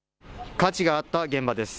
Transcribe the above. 火事があった現場です。